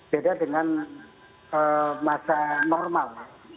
beda dengan masa normal